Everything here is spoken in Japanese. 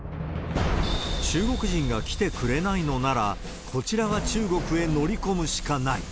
中国人が来てくれないのなら、こちらが中国へ乗り込むしかない。